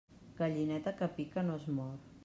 Gallineta que pica no es mor.